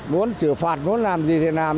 muốn xử phạt muốn làm gì thì làm